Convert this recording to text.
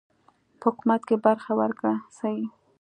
په حکومت کې برخه ورکړه سي.